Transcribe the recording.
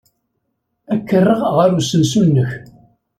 Ad k-rreɣ ɣer usensu-nnek.